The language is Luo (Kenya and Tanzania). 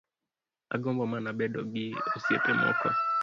Agombo mana bedo gi osiepe moko